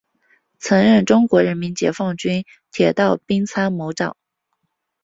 曾任中国人民解放军铁道兵参谋长。